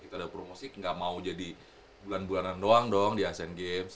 kita udah promosi nggak mau jadi bulanan bulanan doang dong di asian games